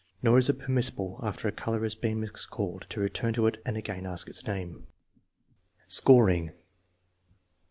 Nor is it permissible, after a color has been mis called, to return to it and again ask its name. Scoring.